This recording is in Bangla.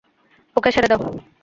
ওকে ছেড়ে দাও!